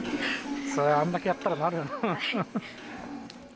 そりゃあんだけやったらなるよな。